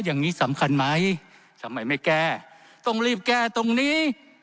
อย่างนี้สำคัญไหมทำไมไม่แก้ต้องรีบแก้ตรงนี้